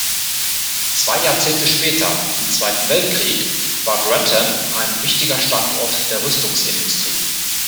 Zwei Jahrzehnte später, im Zweiten Weltkrieg, war Grantham ein wichtiger Standort der Rüstungsindustrie.